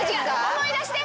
思い出して。